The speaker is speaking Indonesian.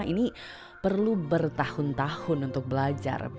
ini perlu bertahun tahun untuk belajar